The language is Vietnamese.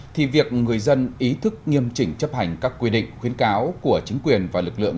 thì việc người dân ý thức nghiêm chỉnh chấp hành các quy định khuyến cáo của chính quyền và lực lượng